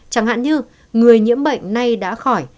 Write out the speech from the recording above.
chẳng hạn như người nhiễm bệnh nay đã khỏi